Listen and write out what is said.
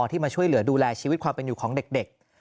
ที่มาช่วยเหลือดูแลชีวิตความเป็นอยู่ของเด็ก